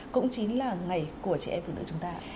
cũng chính là ngày của trẻ em phụ nữ chúng ta